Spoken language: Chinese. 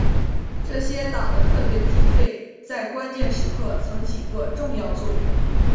这些党的特别经费在关键时刻曾起过重要作用。